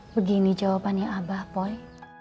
begini jawabannya abah poi